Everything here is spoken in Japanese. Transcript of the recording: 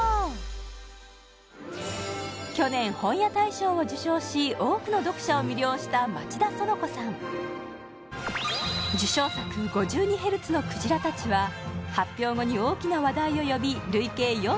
去年本屋大賞を受賞し多くの読者を魅了した受賞作「５２ヘルツのクジラたち」は発表後に大きな話題を呼び累計４３万部を突破